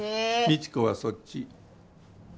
未知子はそっち。